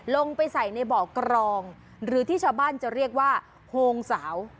ลงไปใส่ในบ่อกรองหรือที่ชาวบ้านจะเรียกว่าโฮงสาว